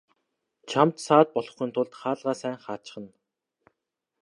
Чамд саад болохгүйн тулд хаалгаа сайн хаачихна.